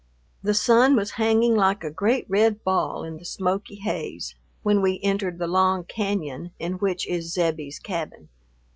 The sun was hanging like a great red ball in the smoky haze when we entered the long cañon in which is Zebbie's cabin.